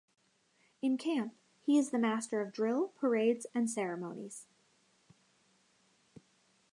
In camp, he is the master of drill, parades and ceremonies.